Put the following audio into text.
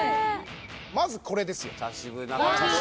まずこれですよ茶渋